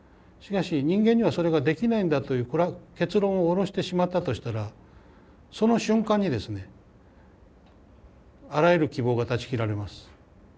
しかし人間にはそれができないんだというこれは結論を下ろしてしまったとしたらその瞬間にですねあらゆる希望が断ち切られます。